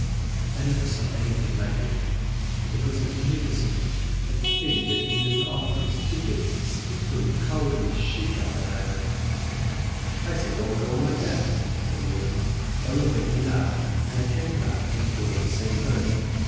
I never saw anything like it. It was magnificent. And to think that you did it all for the stupid, spiteful, cowardly she cat that I am." "I say, don't go on like that," said William, "or you'll make me laugh. And I can't laugh and pull at the same time.